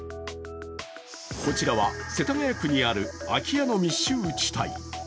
こちらは世田谷区にある空き家の密集地帯。